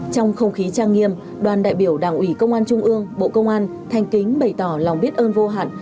trong không khí trang nghiêm đoàn đại biểu đảng ủy công an trung ương bộ công an thanh kính bày tỏ lòng biết ơn vô hạn